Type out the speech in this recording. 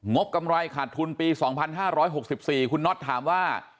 บกำไรขาดทุนปี๒๕๖๔คุณน็อตถามว่า